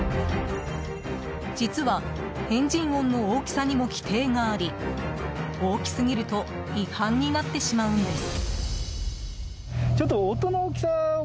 実は、エンジン音の大きさにも規定があり大きすぎると違反になってしまうんです。